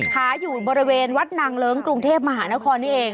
อยู่บริเวณวัดนางเลิ้งกรุงเทพมหานครนี่เอง